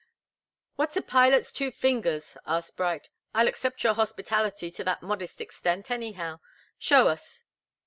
"What's a pilot's two fingers?" asked Bright. "I'll accept your hospitality to that modest extent, anyhow. Show us."